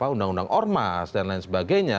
undang undang ormas dan lain sebagainya